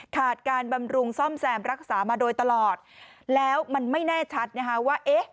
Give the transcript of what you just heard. ขาดการบำรุงซ่อมแซมรักษามาโดยตลอดแล้วมันไม่แน่ชัดนะคะว่าเอ๊ะ